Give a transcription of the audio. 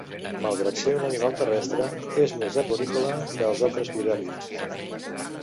Malgrat ser un animal terrestre, és més arborícola que altres vivèrrids.